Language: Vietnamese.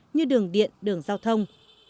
như đường điện đường giao thông